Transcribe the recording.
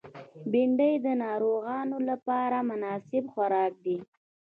بېنډۍ د ناروغانو لپاره مناسب خوراک دی